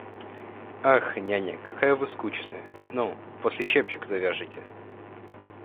Ах, няня, какая вы скучная, ну, после чепчик завяжете!